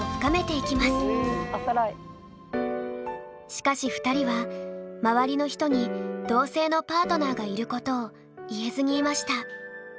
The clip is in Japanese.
しかし２人は周りの人に同性のパートナーがいることを言えずにいました。